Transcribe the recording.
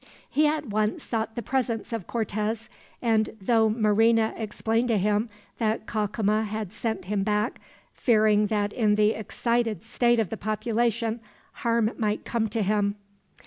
He at once sought the presence of Cortez, and through Marina explained to him that Cacama had sent him back, fearing that in the excited state of the population harm might come to him.